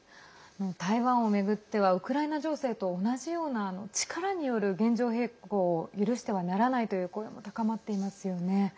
台湾を巡ってはウクライナ情勢と同じような力による現状変更を許してはならないという声も高まっていますよね。